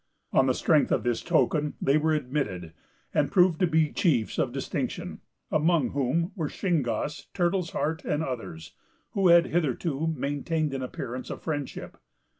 On the strength of this token, they were admitted, and proved to be chiefs of distinction; among whom were Shingas, Turtle's Heart, and others, who had hitherto maintained an appearance of friendship.